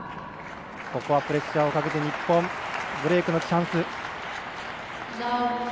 これはプレッシャーをかけて日本ブレークのチャンス。